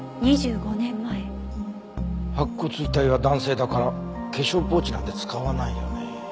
白骨遺体は男性だから化粧ポーチなんて使わないよね。